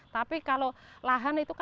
tapi kalau lahan itu